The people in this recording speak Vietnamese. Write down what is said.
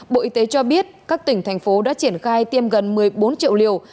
bộ y tế cho biết các tỉnh thành phố đã triển khai tiêm gần một mươi bốn triệu liều